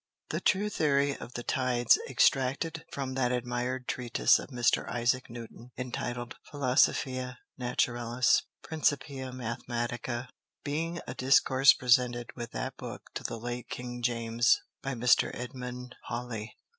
_The True Theory of the Tides, extracted from that admired Treatise of Mr. Isaac Newton, Intitled, Philosophiæ Naturalis Principia Mathematica; Being a Discourse presented with that Book to the late King James, by Mr. Edmund Halley.